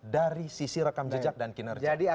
dari sisi rekam jejak dan kinerja